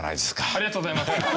ありがとうございます。